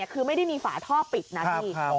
คือไม่ได้มีฝาท่อปิดนะพี่